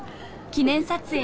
記念撮影。